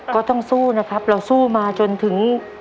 ก็ต้องสู้นะครับเราสู้มาจนถึง